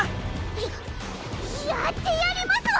ややってやりますわ！